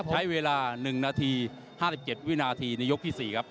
ใช้เวลา๑นาที๕๗วินาทีในยกที่๔ครับ